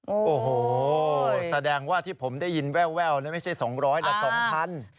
โอ้โหแสดงว่าที่ผมได้ยินแววไม่ใช่๒๐๐แต่๒๐๐บาท